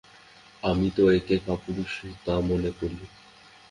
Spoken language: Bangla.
আমি তো একে কাপুরুষতা মনে করি।